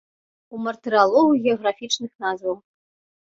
У мартыралогу геаграфічных назваў.